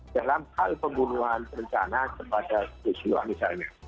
dalam hal pembunuhan rencana kepada isu misalnya